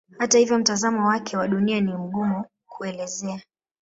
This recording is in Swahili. Hata hivyo mtazamo wake wa Dunia ni mgumu kuelezea.